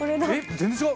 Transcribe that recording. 全然違う！